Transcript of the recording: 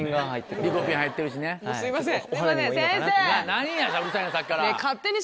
何やうるさいなさっきから。